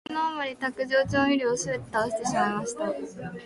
怒りのあまり、卓上調味料をすべて倒してしまいました。